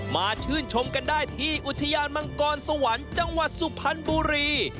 มาชื่นชมกันได้ที่อุทยานมังกรสวรรค์จังหวัดสุพรรณบุรี